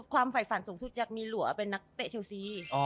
ฝ่ายฝันสูงสุดอยากมีหลัวเป็นนักเตะเชลซี